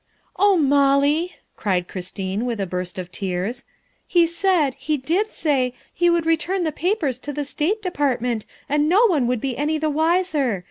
" Oh Molly," cried Christine with a burst of tears, " he said he did say he would return the papers to the State Department and no one would be any the wiser.